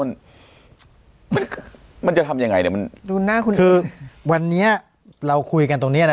มันมันจะทำยังไงเนี่ยมันดูหน้าคุณคือวันนี้เราคุยกันตรงเนี้ยนะ